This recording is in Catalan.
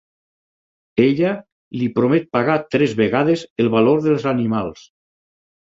Ella li promet pagar tres vegades el valor dels animals.